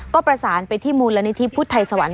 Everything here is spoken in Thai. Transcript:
ก็ประสานไปที่มูลนิธิพุทธไทยสวรรค